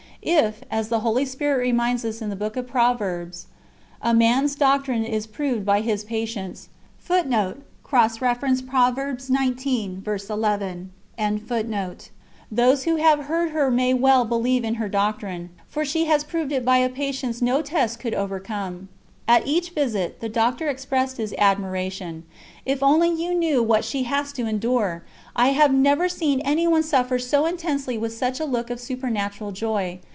If, as the Holy Spirit reminds us in the Book of Proverbs: "A man's doctrine is proved by his patience," those who have heard her may well believe in her doctrine, for she has proved it by a patience no test could overcome. At each visit the doctor expressed his admiration. "If only you knew what she has to endure! I have never seen any one suffer so intensely with such a look of supernatural joy.